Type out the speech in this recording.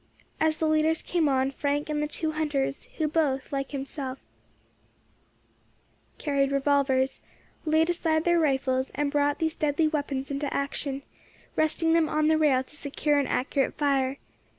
As the leaders came on Frank and the two hunters, who both, like himself, carried revolvers, laid aside their rifles and brought these deadly weapons into action, resting them on the rail to secure an accurate fire.